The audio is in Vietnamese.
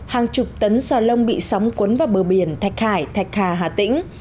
hàng chục tấn xò lông bị sóng cuốn vào bờ biển thạch hải thạch hà hà tĩnh